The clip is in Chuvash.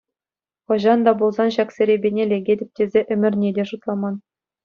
Хӑҫан та пулсан ҫак серепене лекетӗп тесе ӗмӗрне те шутламан.